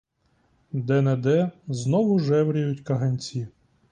Де-не-де знову жевріють каганці.